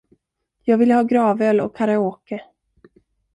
Jag ville ha gravöl och karaoke.